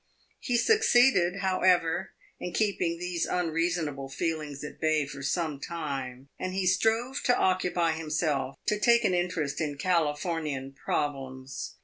He succeeded, however, in keeping these unreasonable feelings at bay for some time, and he strove to occupy himself, to take an interest in Californian problems.